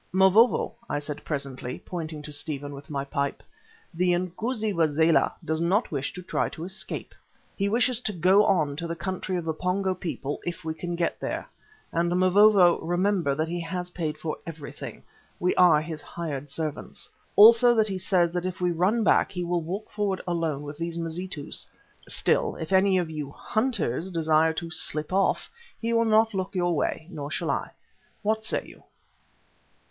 "Mavovo," I said presently, pointing to Stephen with my pipe, "the inkoosi Wazela does not wish to try to escape. He wishes to go on to the country of the Pongo people if we can get there. And, Mavovo, remember that he has paid for everything; we are his hired servants. Also that he says that if we run back he will walk forward alone with these Mazitus. Still, if any of you hunters desire to slip off, he will not look your way, nor shall I. What say you?"